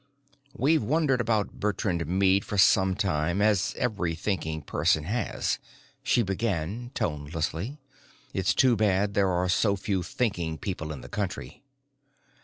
"We've wondered about Bertrand Meade for some time, as every thinking person has," she began tonelessly. "It's too bad there are so few thinking people in the country."